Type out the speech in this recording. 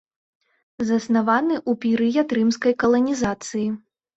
Заснаваны ў перыяд рымскай каланізацыі.